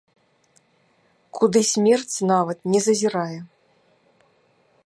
Куды смерць нават не зазірае.